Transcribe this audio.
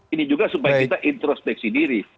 ini juga supaya kita introspeksi diri